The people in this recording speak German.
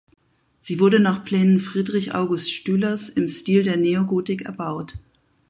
Sie wurde nach Plänen Friedrich August Stülers im Stil der Neogotik gebaut.